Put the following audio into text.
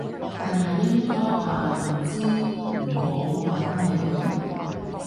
係咪應該扮唔知唔好打返俾佢？